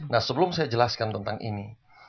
nah sebelum saya jelaskan tentang ini